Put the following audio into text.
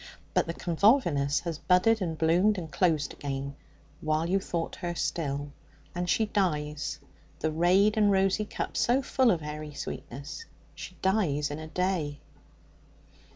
But the convolvulus has budded and bloomed and closed again while you thought her still, and she dies the rayed and rosy cup so full of airy sweetness she dies in a day.